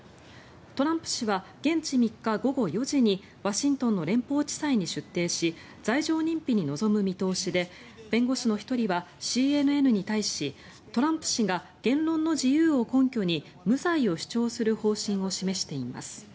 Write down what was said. トランプ氏は現地３日午後４時にワシントンの連邦地裁に出廷し罪状認否に臨む見通しで弁護士の１人はＣＮＮに対しトランプ氏が言論の自由を根拠に無罪を主張する方針を示しています。